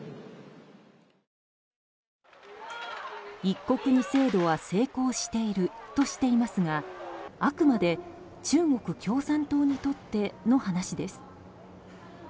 一国二制度は成功しているとしていますがあくまで中国共産党にとっての話です。